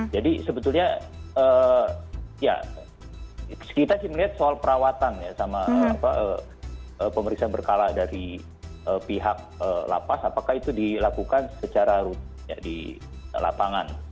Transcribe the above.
jadi sebetulnya ya kita sih melihat soal perawatan ya sama pemeriksaan berkala dari pihak lepas apakah itu dilakukan secara rutin di lapangan